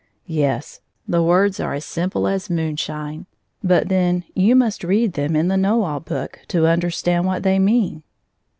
Yes ; the words are as simple as moonshine, but then you must read them in the Know All Book to understand what they mean.